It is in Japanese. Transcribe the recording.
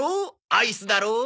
アイスだろ？